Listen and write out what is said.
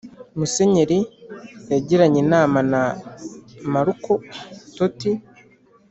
musenyeri yagiranye inama na marco toti,